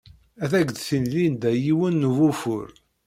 Ad ak-d-tini Linda yiwen n wufur.